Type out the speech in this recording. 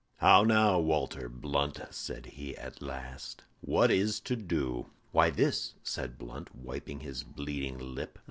"How now, Walter Blunt," said he at last, "what is to do?" "Why, this," said Blunt, wiping his bleeding lip.